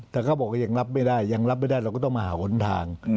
แต่เขาบอกว่ายังรับไม่ได้ยังรับไม่ได้เราก็ต้องมาหาหนทาง